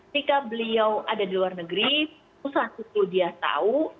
jika beliau ada di luar negeri usaha suku dia tahu